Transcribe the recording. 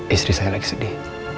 istri saya sedih